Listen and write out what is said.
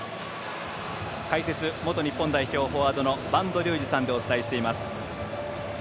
解説、元日本代表フォワードの播戸竜二さんとお伝えしています。